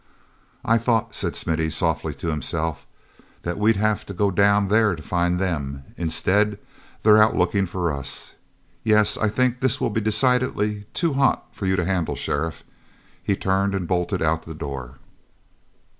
"I thought," said Smithy softly to himself, "that we'd have to go down there to find them, and instead they're out looking for us. Yes, I think this will be decidedly too hot for you to handle, sheriff." He turned and bolted out the door.